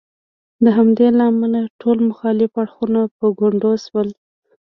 د همدې له امله ټول مخالف اړخونه په ګونډو شول.